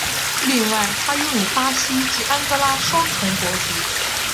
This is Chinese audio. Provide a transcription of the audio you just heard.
另外他拥有巴西及安哥拉双重国籍。